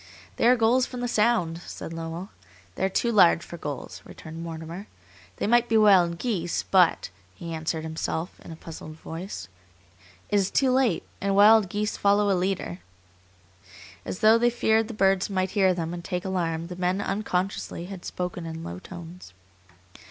"They are gulls from the Sound," said Lowell. "They are too large for gulls," returned Mortimer. "They might be wild geese, but," he answered himself, in a puzzled voice, "it is too late; and wild geese follow a leader." As though they feared the birds might hear them and take alarm, the men, unconsciously, had spoken in low tones.